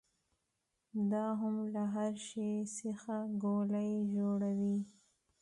دا هم له هر شي څخه ګولۍ جوړوي.